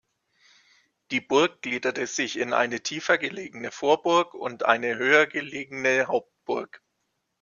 Die Burg gliedert sich in eine tiefer gelegene Vorburg und eine höher gelegene Hauptburg.